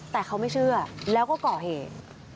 แต่เขาไม่เชื่อแล้วก็ก่อเหตุ